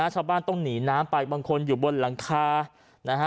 ชาวบ้านต้องหนีน้ำไปบางคนอยู่บนหลังคานะฮะ